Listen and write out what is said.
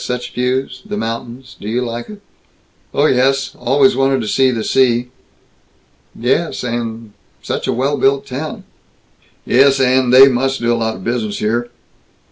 Such views the mountains Do you like it?" "Oh yes. Always wanted to see the sea." "Yes, and Such a well built town." "Yes, and They must do a lot of business here."